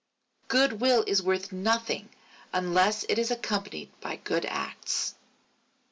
_Good will is worth nothing unless it is accompanied by good acts.